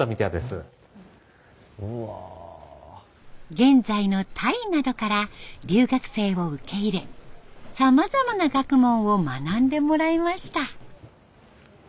現在のタイなどから留学生を受け入れさまざまな学問を学んでもらいました。